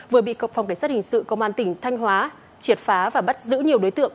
vừa bị cộng phòng cảnh sát hình sự công an tỉnh thanh hóa triệt phá và bắt giữ nhiều đối tượng